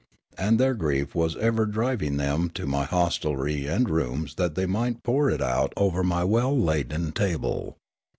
And their grief was ever driving them to my hostelry and rooms that they might pour it out over my well laden table.